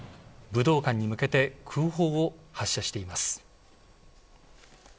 武道館に向けて空砲を発射しています。